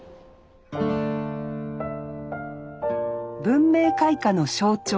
文明開化の象徴